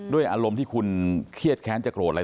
อารมณ์ที่คุณเครียดแค้นจะโกรธอะไร